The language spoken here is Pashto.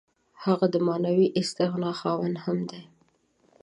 هغه د معنوي استغنا خاوند هم دی.